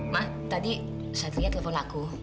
ma tadi satria telepon aku